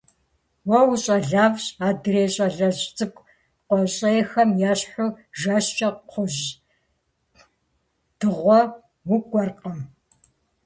Уэ ущӀалэфӀщ, адрей щӀалэжь цӀыкӀу къуейщӀейхэм ещхьу жэщкӀэ кхъужь дыгъуэ укӀуэркъым!